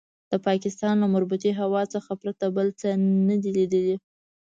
د پاکستان له مرطوبې هوا څخه پرته بل څه نه دي لیدلي.